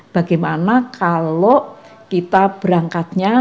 bagaimana kalau kita berangkatnya